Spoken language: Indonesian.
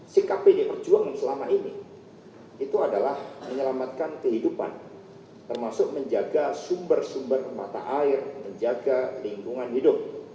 sikap pdi perjuangan selama ini itu adalah menyelamatkan kehidupan termasuk menjaga sumber sumber mata air menjaga lingkungan hidup